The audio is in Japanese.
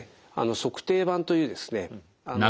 足底板というですね